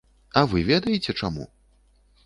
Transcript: А вы ведаеце, чаму?